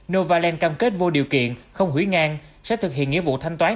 novaland cam kết vô điều kiện không hủy ngang sẽ thực hiện nghĩa vụ thanh toán